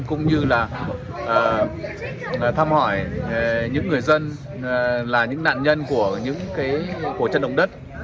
cũng như là thăm hỏi những người dân là những nạn nhân của chân đồng đất